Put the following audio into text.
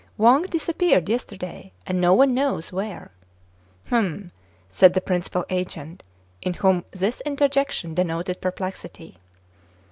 " Wang disappeared yesterday, and no one knows where." " Humph !" said the principal agent, in whom this interjection denoted perplexity.